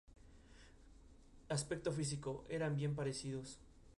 Aspecto físico: eran bien parecidos.